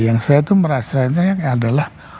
yang saya tuh merasanya adalah